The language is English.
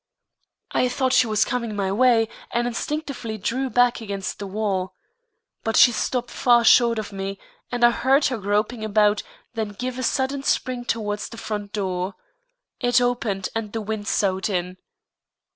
I thought she was coming my way, and instinctively drew back against the wall. But she stopped far short of me, and I heard her groping about, then give a sudden spring towards the front door. It opened and the wind soughed in.